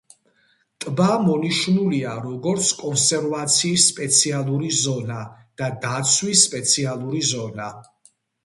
ტბა მონიშნულია როგორც კონსერვაციის სპეციალური ზონა და დაცვის სპეციალური ზონა.